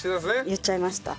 言っちゃいました。